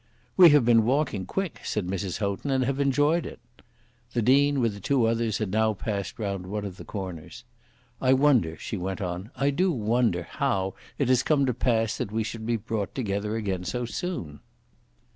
"We have been walking quick," said Mrs. Houghton, "and have enjoyed it." The Dean with the two others had now passed round one of the corners. "I wonder," she went on, "I do wonder how it has come to pass that we should be brought together again so soon!"